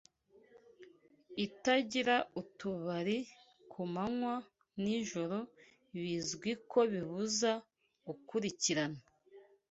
itagira utubari Ku manywa-nijoro bizwi ko bibuza gukurikirana